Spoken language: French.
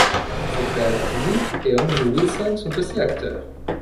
Ses frères Luke et Andrew Wilson sont aussi acteurs.